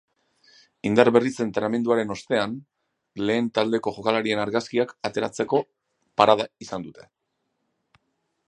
Indar berritze entrenamenduaren ostean lehen taldeko jokalariekin argazkiak ateratzeko parada izan dute.